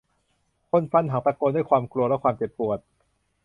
คนฟันหักตะโกนด้วยความกลัวและความเจ็บปวด